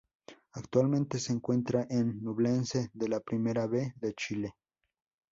Actualmente se encuentra en Ñublense, de la Primera B de Chile.